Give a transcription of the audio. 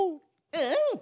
うん！